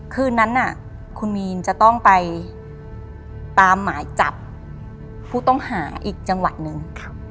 คืนนั้นคุณมีนจะต้องไปตามหมายจับผู้ต้องหาอีกจังหวัดหนึ่ง